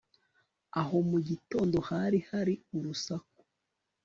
Aha mugitondo hari hari urusak